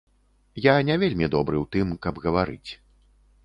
Я не вельмі добры ў тым, каб гаварыць.